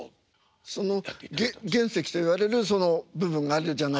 その原石といわれるその部分があるじゃないですか。